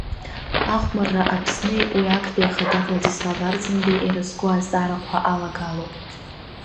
Ахәмарра Аԥсни уи Актәи Ахада Владислав Арӡынбеи ирызку азҵаарақәа алагалоуп.